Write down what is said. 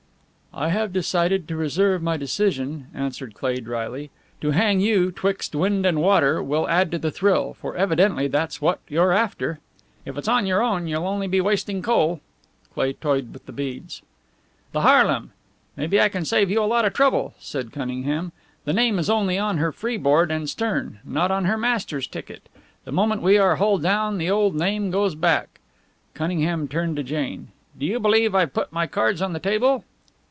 "I have decided to reserve my decision," answered Cleigh, dryly. "To hang you 'twixt wind and water will add to the thrill, for evidently that's what you're after." "If it's on your own you'll only be wasting coal." Cleigh toyed with the beads. "The Haarlem. Maybe I can save you a lot of trouble," said Cunningham. "The name is only on her freeboard and stern, not on her master's ticket. The moment we are hull down the old name goes back." Cunningham turned to Jane. "Do you believe I've put my cards on the table?"